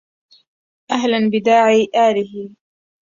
أهلا بداعي إلهي